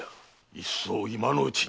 いっそ今のうちに。